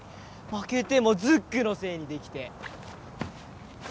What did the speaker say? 負けてもズックのせいにできて。